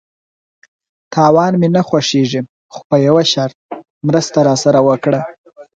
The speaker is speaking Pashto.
_تاوان مې نه خوښيږي، خو په يوه شرط، مرسته راسره وکړه!